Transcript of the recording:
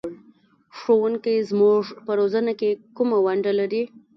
ښوونکی زموږ په روزنه کې کومه ونډه لري؟